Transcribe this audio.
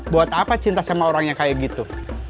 buat apa cinta sama orang yang kayak gitu